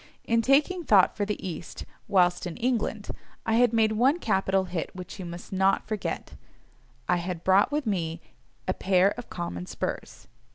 In taking thought for the East, whilst in England, I had made one capital hit which you must not forget—I had brought with me a pair of common spurs.